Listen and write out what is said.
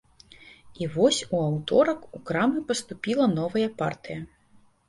І вось у аўторак у крамы паступіла новая партыя.